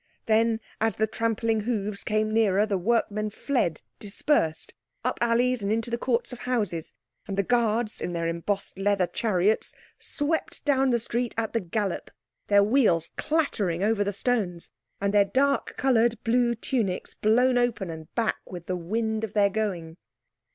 Then as the trampling hoofs came nearer the workmen fled dispersed, up alleys and into the courts of houses, and the Guards in their embossed leather chariots swept down the street at the gallop, their wheels clattering over the stones, and their dark coloured, blue tunics blown open and back with the wind of their going.